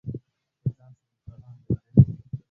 له ځان سره يو پيغام لېږدوي